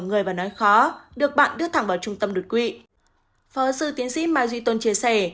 người nói khó được bạn đưa thẳng vào trung tâm đột quỵ phó giáo sư tiến sĩ mai duy tôn chia sẻ